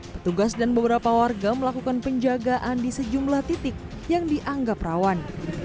petugas dan beberapa warga melakukan penjagaan di sejumlah titik yang dianggap rawan